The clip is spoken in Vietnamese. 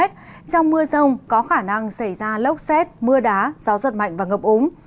trong mưa rông có khả năng xảy ra lốc xét mưa đá gió giật mạnh và ngập úng